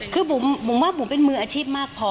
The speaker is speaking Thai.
คือบุ๋มว่าบุ๋มเป็นมืออาชีพมากพอ